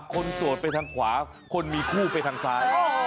โสดไปทางขวาคนมีคู่ไปทางซ้าย